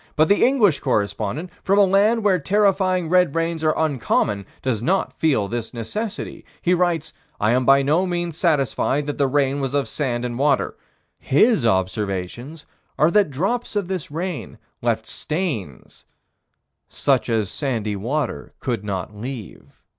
But the English correspondent, from a land where terrifying red rains are uncommon, does not feel this necessity. He writes: "I am by no means satisfied that the rain was of sand and water." His observations are that drops of this rain left stains "such as sandy water could not leave."